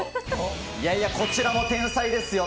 いやいや、こちらも天才ですよ。